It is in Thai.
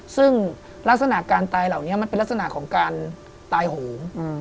ซึ่งลักษณะการตายเหล่านี้มันเป็นลักษณะของการตายโหง